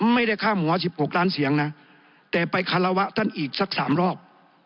ไม่ได้ข้ามหัวสิบหกล้านเสียงน่ะแต่ไปคาราวะท่านอีกสักสามรอบ